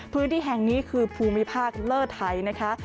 พื้นที่แห่งนี้คือภูมิภาคเลอร์ไทยนะคะ